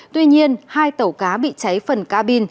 tuy nhiên hai tàu cá bị cháy phần ca bin